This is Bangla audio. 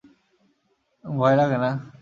ভয় লাগে না।